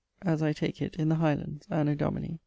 (as I take it, in the Highlands), anno domini....